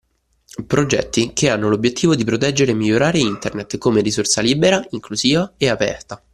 Progetti che hanno l’obbiettivo di proteggere e migliorare Internet, come risorsa libera, inclusiva e aperta.